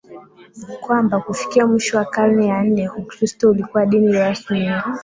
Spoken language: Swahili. kwamba kufikia mwisho wa karne ya nne Ukristo ulikuwa dini rasmi ya